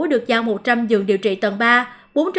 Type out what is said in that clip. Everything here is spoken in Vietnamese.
được giao một trăm linh giường điều trị tầng ba